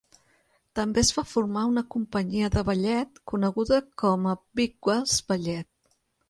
També es va formar una companyia de ballet, coneguda com a Vic-Wells ballet.